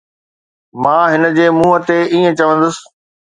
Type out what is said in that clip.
مان هن جي منهن تي ائين چوندس